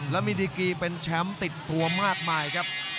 และมีดีกีเป็นแชมป์ติดตัวมากมายครับ